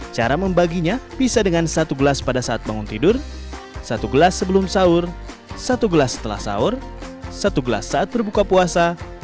cara membaginya bisa dengan satu gelas pada saat bangun tidur satu gelas sebelum sahur satu gelas setelah sahur satu gelas saat berbuka puasa